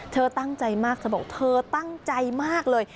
เธอตั้งใจมากเธอบอกเธอตั้งใจมากเลย